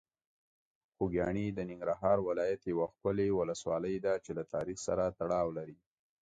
خوږیاڼي د ننګرهار ولایت یوه ښکلي ولسوالۍ ده چې له تاریخ سره تړاو لري.